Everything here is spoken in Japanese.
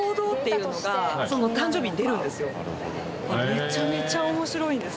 めちゃめちゃ面白いんです。